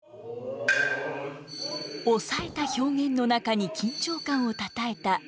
抑えた表現の中に緊張感をたたえた「能」。